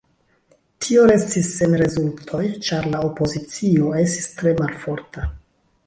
Tio restis sen rezultoj, ĉar la opozicio estis tre malforta.